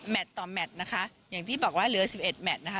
ต่อแมทนะคะอย่างที่บอกว่าเหลือ๑๑แมทนะคะ